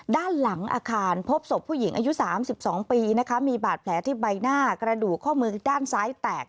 ด้านหลังอาคารพบศพผู้หญิงอายุ๓๒ปีนะคะมีบาดแผลที่ใบหน้ากระดูกข้อมือด้านซ้ายแตก